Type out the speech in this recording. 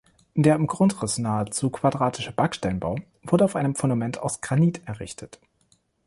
Der im Grundriss nahezu quadratische Backsteinbau wurde auf einem Fundament aus Granit errichtet.